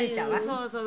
そうそう。